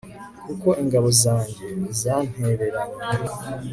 kuko ingabo zanjye zantereranye